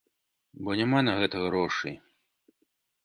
Бо няма на гэта грошай.